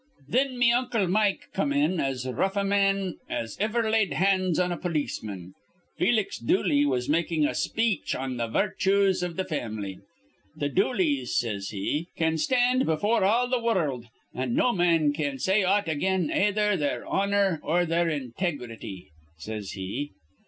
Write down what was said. "Thin me uncle Mike come in, as rough a man as iver laid hands on a polisman. Felix Dooley was makin' a speech on th' vartues iv th' fam'ly. 'Th' Dooleys,' says he, 'can stand before all th' wurruld, an' no man can say ought agin ayether their honor or their integrity,' says he.